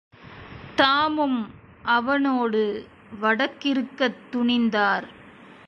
தாமும் அவனோடு வடக்கிருக்கத்துணிந்தார்.